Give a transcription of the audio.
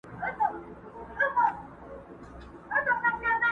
که هر څو درانه بارونه چلومه؛